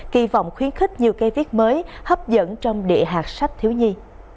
kỳ vọng khuyến khích nhiều cây viết mới hấp dẫn trong địa hạt sách thiếu nhi